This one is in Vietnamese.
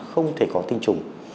không thể có tinh trùng